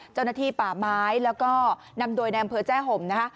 เจ้าหน้าที่ป่าม้ายแล้วนะ